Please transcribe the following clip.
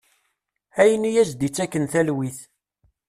Ayen i as-d-ittaken talwit.